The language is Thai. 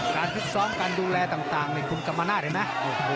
ตอนที่ซ้อมการดูแลต่างนี่คุณกรรมนาฬใช่มั้ย